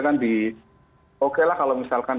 kan di oke lah kalau misalkan